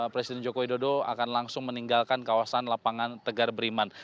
presiden joko widodo akan langsung meninggalkan kawasan lapangan tegar beriman